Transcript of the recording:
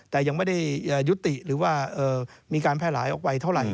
แต่ยังไม่ได้ยุติหรือว่ามีการแพร่หลายออกไปเท่าไหร่